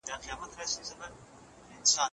افغان ښځي د نورمالو ډیپلوماټیکو اړیکو ګټي نه لري.